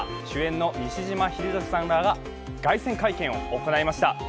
主演の西島秀俊さんらが凱旋会見を行いました。